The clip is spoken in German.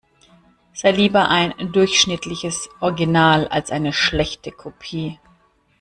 Sei lieber ein durchschnittliches Original als eine schlechte Kopie.